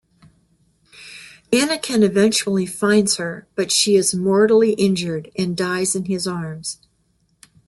Anakin eventually finds her, but she is mortally injured and dies in his arms.